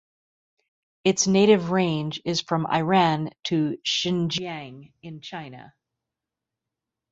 Its native range is from Iran to Xinjiang (in China).